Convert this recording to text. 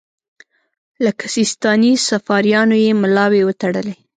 لکه سیستاني صفاریانو یې ملاوې وتړلې.